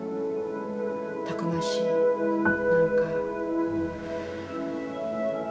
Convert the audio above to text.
たくましいなんか。